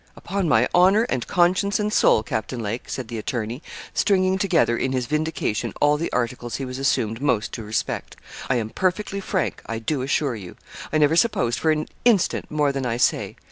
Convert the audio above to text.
'Upon my honour, and conscience, and soul, Captain Lake,' said the attorney, stringing together, in his vindication, all the articles he was assumed most to respect, 'I am perfectly frank, I do assure you. I never supposed for an instant more than I say.